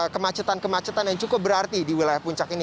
kemacetan kemacetan yang cukup berarti di wilayah puncak ini